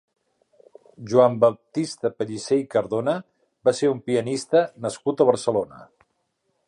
Joan Baptista Pellicer i Cardona va ser un pianista nascut a Barcelona.